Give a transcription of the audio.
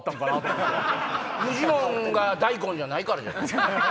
フジモンが大根じゃないからじゃない？